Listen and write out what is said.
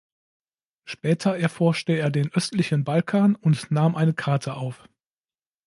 Später erforschte er den östlichen Balkan und nahm eine Karte auf.